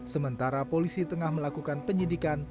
sementara polisi tengah melakukan penyidikan